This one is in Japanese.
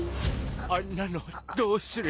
あんなのどうすれば。